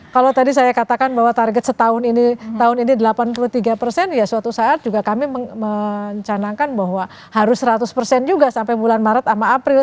kalau tadi saya katakan bahwa target setahun ini tahun ini delapan puluh tiga persen ya suatu saat juga kami mencanangkan bahwa harus seratus persen juga sampai bulan maret sama april